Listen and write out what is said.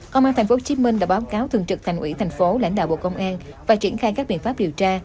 công an tp hcm đã báo cáo thường trực thành ủy tp hcm và triển khai các biện pháp điều tra